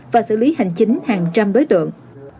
và xử lý hành chính hàng trăm đối tượng